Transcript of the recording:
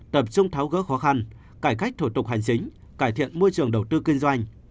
tập trung tháo gỡ khó khăn cải cách thủ tục hành chính cải thiện môi trường đầu tư kinh doanh